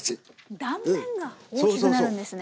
断面が大きくなるんですね。